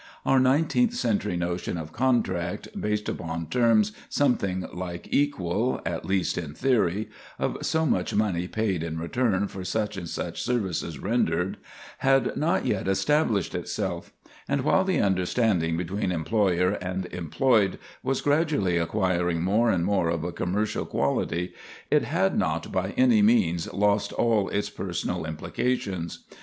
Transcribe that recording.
Our nineteenth century notion of contract based upon terms something like equal, at least in theory,—of so much money paid in return for such and such services rendered,—had not yet established itself; and while the understanding between employer and employed was gradually acquiring more and more of a commercial quality, it had not by any means lost all its personal implications.